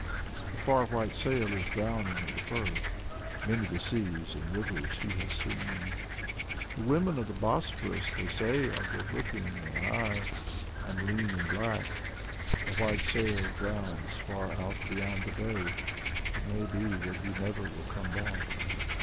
The far white sail is drowning in the firth. Many the seas and rivers he has seen. The women of the Bosphorus, they say, Are good looking ... and I — Fm lean and black. The white sail drowns far out beyond the bay. It may be that he never will come back.